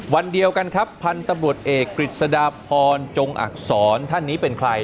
วันเดียวกันครับพันธบตตเอกิจศดาพรท่านนี้เป็นใคร